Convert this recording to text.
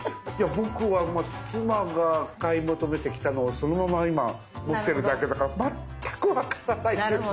僕は妻が買い求めてきたのをそのまま今持ってるだけだから全く分からないんです。